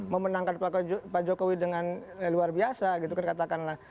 memenangkan pak jokowi dengan luar biasa gitu kan katakanlah